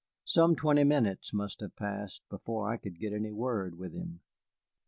Some twenty minutes must have passed before I could get any word with him.